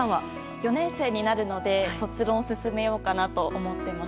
４年生になるので卒論を進めようかなと思っています。